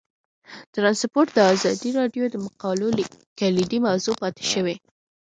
ترانسپورټ د ازادي راډیو د مقالو کلیدي موضوع پاتې شوی.